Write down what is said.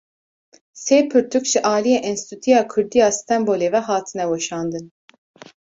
Sê pirtûk ji aliyê Enstîtuya Kurdî ya Stenbolê ve hatine weşandin.